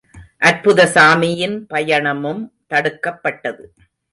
அற்புதசாமியின் பயணமும் தடுக்கப்பட்டது.